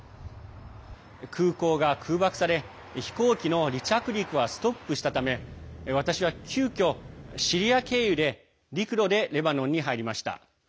空港が空爆され、飛行機の離着陸はストップしたため私は急きょ、シリア経由で陸路でレバノンに入りました。